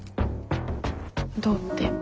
どうって？